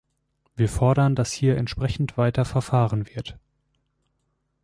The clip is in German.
Wir fordern, dass hier entsprechend weiter verfahren wird.